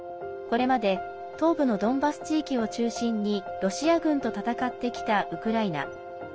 これまで東部のドンバス地域を中心にロシア軍と戦ってきたウクライナ。